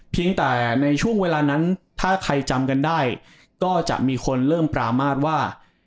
เพียงแต่ในช่วงเวลานั้นถ้าใครจำกันได้ก็จะมีคนเริ่มปรามาทว่า